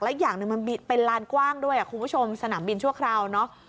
อีกอย่างหนึ่งมันเป็นลานกว้างด้วยคุณผู้ชมสนามบินชั่วคราวเนอะ